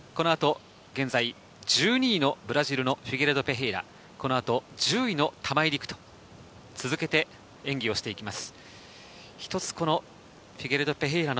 現在この後、ブラジルのフィゲレド・ペヘイラ、そして１０位の玉井陸斗と演技をしていきます。